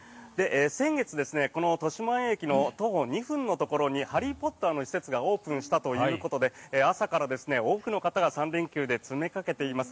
先月、この豊島園駅の徒歩２分のところに「ハリー・ポッター」の施設がオープンしたということで朝から多くの方が３連休で詰めかけています。